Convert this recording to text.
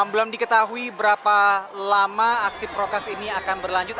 belum diketahui berapa lama aksi protes ini akan berlanjut